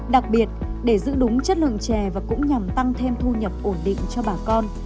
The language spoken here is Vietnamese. đặc biệt để giữ đúng chất lượng chè và cũng nhằm tăng thêm thu nhập ổn định cho bà con